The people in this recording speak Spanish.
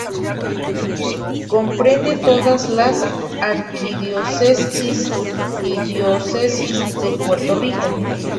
Comprende todas las Arquidiócesis y Diócesis de Puerto Rico.